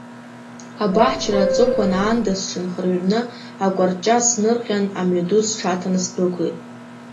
Абаҳчара аҵыхәан аанда сҽынхырҩрны, акәарҷҷа снырҟьан, амҩаду сҽаҭаны сдәықәлеит.